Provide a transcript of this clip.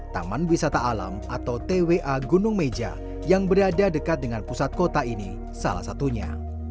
taman wisata alam atau twa gunung meja yang berada dekat dengan pusat kota ini salah satunya